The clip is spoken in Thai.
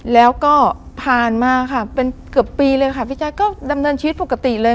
แล้วก็ผ่านมาค่ะเป็นเกือบปีเลยค่ะพี่แจ๊คก็ดำเนินชีวิตปกติเลย